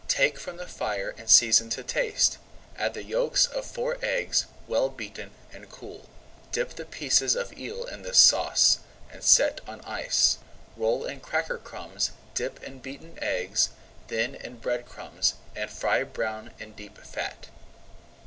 Take from the fire and season to taste. Add the yolks of four eggs well beaten and cool. Dip the pieces of eel in this sauce, and set on ice. Roll in cracker crumbs, dip in beaten egg, then in bread crumbs, and fry brown in deep fat.